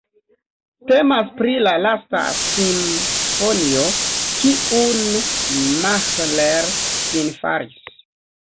Temas pri la lasta simfonio, kiun Mahler finfaris.